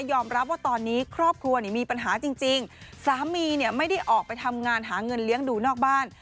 ยอมรับว่าตอนนี้ครอบครัวมีปัญหาจริงสามีไม่ได้ออกไปทำงานหาเงินเลี้ยงดูนอกบ้าน